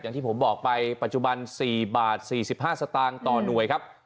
อย่างที่ผมบอกไปปัจจุบัน๔บาท๔๕สตางค์ต่อหน่วยครับ